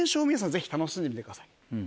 ぜひ楽しんでみてください。